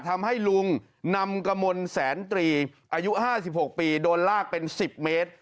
ทำให้ลุงนำกระมวลแสนตรีอายุ๕๖ปีโดนลากเป็น๑๐เมตร